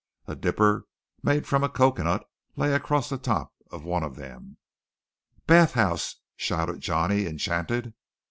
A dipper made from a coconut lay across the top of one of them. "Bath house!" shouted Johnny, enchanted.